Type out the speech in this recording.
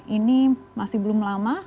ini masih belum lama